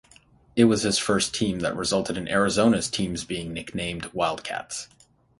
It was his first team that resulted in Arizona's teams being nicknamed Wildcats.